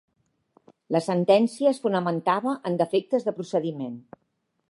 La sentència es fonamentava en defectes de procediment.